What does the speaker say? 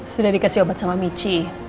sudah dikasih obat sama michi